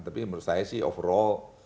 tapi menurut saya sih overall